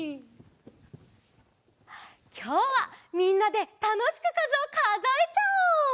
きょうはみんなでたのしくかずをかぞえちゃおう！